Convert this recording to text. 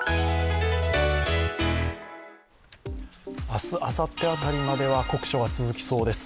明日、あさって辺りまでは酷暑が続きそうです。